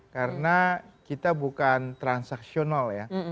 karena kita bukan transaksional ya